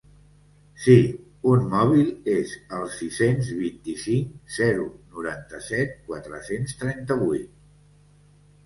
Sí, un mòbil, és el sis-cents vint-i-cinc zero noranta-set quatre-cents trenta-vuit.